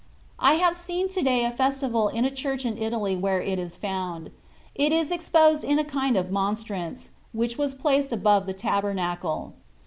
I have seen to day a festival in a church in Italy where it is found. It is exposed in a kind of monstrance, which was placed above the tabernacle.